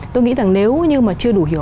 tôi nghĩ rằng nếu như mà chưa đủ hiểu